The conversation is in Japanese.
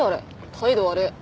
態度悪っ！